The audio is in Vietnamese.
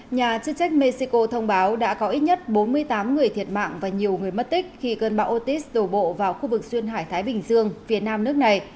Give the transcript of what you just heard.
nhà chức trách mexico thông báo đã có ít nhất bốn mươi tám người thiệt mạng và nhiều người mất tích khi cơn bão otis đổ bộ vào khu vực xuyên hải thái bình dương phía nam nước này